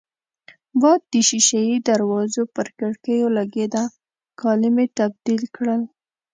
باد د شېشه يي دروازو پر کړکېو لګېده، کالي مې تبدیل کړل.